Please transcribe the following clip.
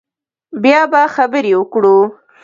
بیا به خبرې وکړو